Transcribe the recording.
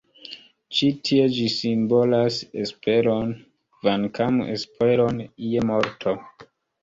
Ĉi tie ĝi simbolas esperon, kvankam esperon je morto.